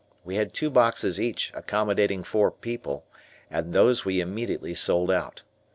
We had two boxes each accommodating four people, and these we immediately sold out.